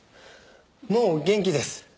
もう元気です。